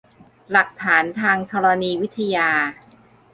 หลักฐานทางธรณีวิทยา